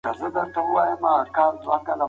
مسؤلیت منل د یو ښه انسان نښه ده.